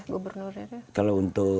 gubernurnya kalau untuk